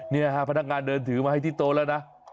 นี่ฮะพนักงานเดินถือมาให้ที่โต๊ะแล้วนะ